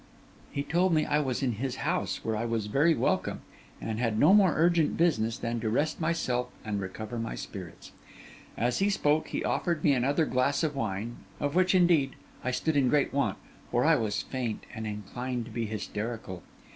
He told me I was in his house, where I was very welcome, and had no more urgent business than to rest myself and recover my spirits. As he spoke he offered me another glass of wine, of which, indeed, I stood in great want, for I was faint, and inclined to be hysterical.